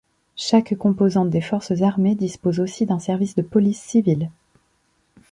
Chaque composante des forces armées dispose aussi d'un service de police civil.